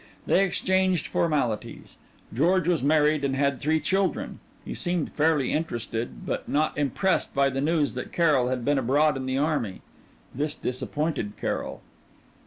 They exchanged formalities. George was married and had three children. He seemed fairly interested, but not impressed by the news that Carrol had been abroad in the army. This disappointed Carrol.